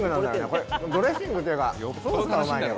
これドレッシングというかソースがうまいんだよ